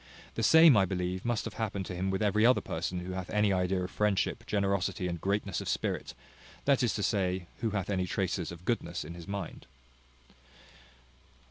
The same, I believe, must have happened to him with every other person who hath any idea of friendship, generosity, and greatness of spirit, that is to say, who hath any traces of goodness in his mind.